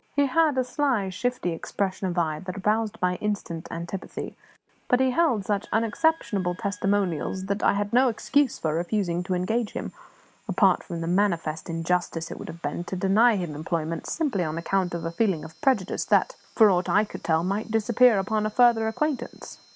He had a sly, shifty expression of eye that aroused my instant antipathy; but he held such unexceptionable testimonials that I had no excuse for refusing to engage him, apart from the manifest injustice it would have been to deny him employment simply on account of a feeling of prejudice that, for aught I could tell, might disappear upon a further acquaintance.